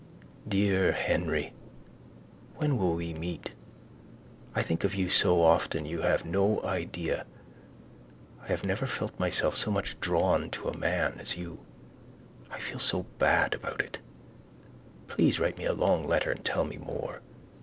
Dear Henry, when will we meet? I think of you so often you have no idea. I have never felt myself so much drawn to a man as you. I feel so bad about. Please write me a long letter and tell me more.